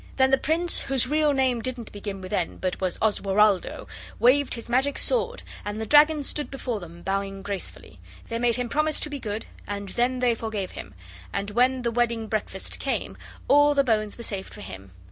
Then the Prince, whose real name didn't begin with N, but was Osrawalddo, waved his magic sword, and the dragon stood before them, bowing gracefully. They made him promise to be good, and then they forgave him; and when the wedding breakfast came, all the bones were saved for him.